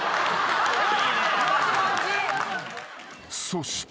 ［そして］